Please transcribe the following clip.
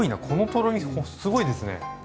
このとろみすごいですね。